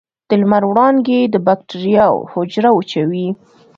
د لمر وړانګې د بکټریاوو حجره وچوي.